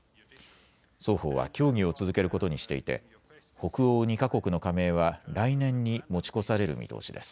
双方は協議を続けることにしていて北欧２か国の加盟は来年に持ち越される見通しです。